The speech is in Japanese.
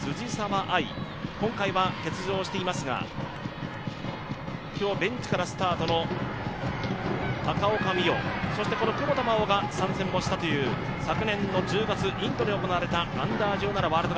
辻澤亜唯、今回は欠場していますが今日ベンチからスタートの高岡澪、そしてこの久保田真生が参戦したという昨年の１０月インドで行われた試合の代表選手です。